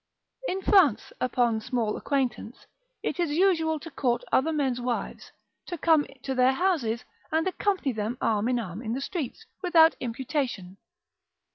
In France, upon small acquaintance, it is usual to court other men's wives, to come to their houses, and accompany them arm in arm in the streets, without imputation.